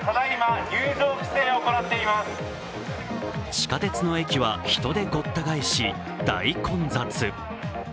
地下鉄の駅は人でごった返し大混雑。